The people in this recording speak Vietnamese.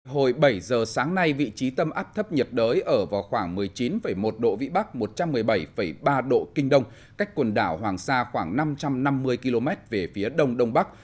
hồi bảy giờ sáng nay vị trí tâm áp thấp nhiệt đới ở vào khoảng một mươi chín một độ vĩ bắc một trăm một mươi bảy ba độ kinh đông cách quần đảo hoàng sa khoảng năm trăm năm mươi km về phía đông đông bắc